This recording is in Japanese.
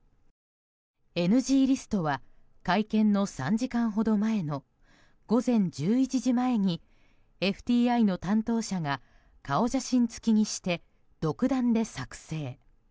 ＮＧリストは会見の３時間ほど前の午前１１時前にＦＴＩの担当者が顔写真付きにして独断で作成。